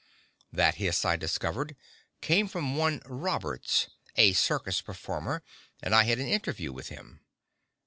This hiss, I discovered, came from one Roberts, a circus performer, and I had an interview with him.